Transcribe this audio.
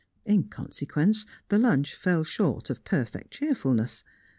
In consequence, the lunch fell short of perfect cheerfulness.